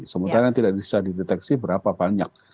sementara yang tidak bisa dideteksi berapa banyak